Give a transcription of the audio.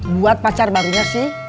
buat pacar barunya sih